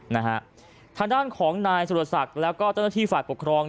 นะฮะทางด้านของนายสุรศักดิ์แล้วก็เจ้าหน้าที่ฝ่ายปกครอง